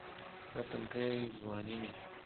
دا تنکے ځواني مې